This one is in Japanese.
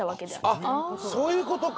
あっそういう事か！